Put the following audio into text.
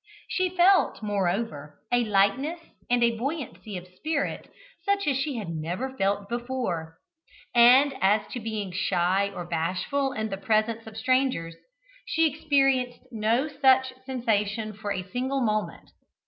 She felt, moreover, a lightness and buoyancy of spirit such as she had never felt before, and as to being shy or bashful in the presence of strangers, she experienced no such sensation for a single moment.